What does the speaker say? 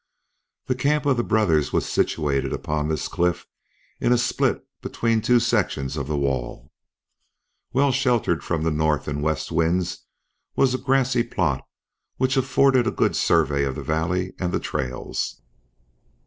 The camp of the brothers was situated upon this cliff in a split between two sections of wall. Well sheltered from the north and west winds was a grassy plot which afforded a good survey of the valley and the trails.